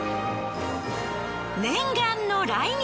念願の来日。